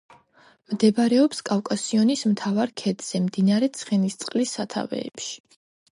მდებარეობს კავკასიონის მთავარ ქედზე, მდინარე ცხენისწყლის სათავეებში.